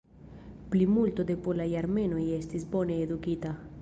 Plimulto de polaj armenoj estis bone edukita.